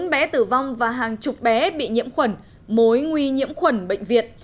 bốn bé tử vong và hàng chục bé bị nhiễm khuẩn mối nguy nhiễm khuẩn bệnh viện